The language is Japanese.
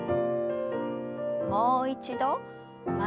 もう一度前へ。